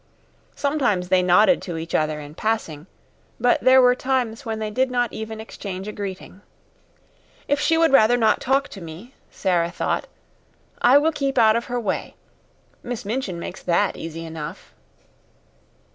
Sometimes they nodded to each other in passing, but there were times when they did not even exchange a greeting. "If she would rather not talk to me," Sara thought, "I will keep out of her way. Miss Minchin makes that easy enough."